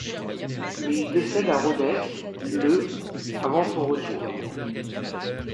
Mais il décède à Rhodes le avant son retour.